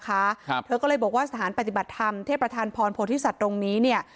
ครับเธอก็เลยบอกว่าสถานปฏิบัติธรรมเทพธานพรโพธิสัตว์ตรงนี้เนี่ย